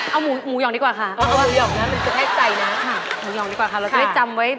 เอาหมูหยองดีกว่าค่ะ